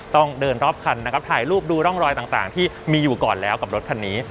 ต้องเดินรอบคันนะครับถ่ายรูปดูร่องรอยต่างที่มีอยู่ก่อนแล้วกับรถคันนี้